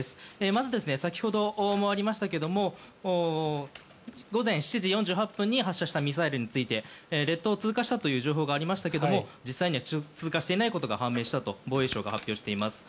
まず先ほどもありましたが午前７時４８分に発射したミサイルについて列島を通過したという情報がありましたが実際には通過していないことが判明したと防衛省が発表しています。